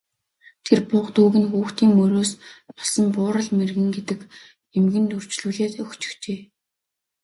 Тэр буга дүүг нь хүүхдийн мөрөөс болсон Буурал мэргэн гэдэг эмгэнд үрчлүүлээд өгчихжээ.